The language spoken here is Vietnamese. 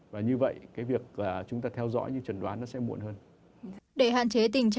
và như vậy cái việc chúng ta theo dõi như trần đoán nó sẽ muộn hơn